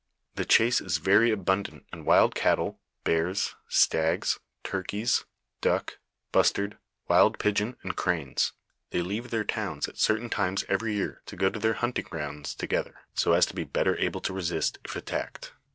The chase is very abundant in wild cattle, beara, stags, turkeys, duck, bus tard, wild pigeon, and cranes. They leave their towns at certain times every year to go to their hunting grounds to gether, so as to be better able to resist, if attacked.